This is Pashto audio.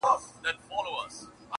سهار چي له خلوته را بهر سې خندا راسي-